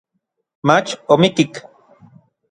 mach omikik.